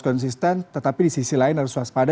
konsisten tetapi di sisi lain harus waspada